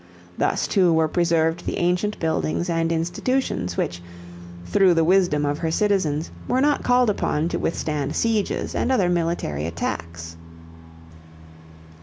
Thus, too, were preserved the ancient buildings and institutions, which, through the wisdom of her citizens, were not called upon to withstand sieges and other military attacks.